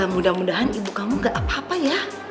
mudah mudahan ibu kamu gak apa apa ya